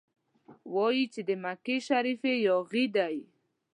وايي چې د مکې شریف یاغي دی.